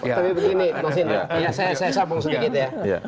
tapi begini saya sambung sedikit ya